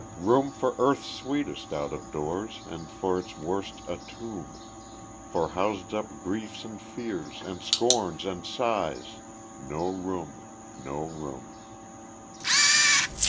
Room for earth's sweetest out of doors, And for its worst a tomb; For housed up griefs and fears, and scorns, and sighs, No room no room!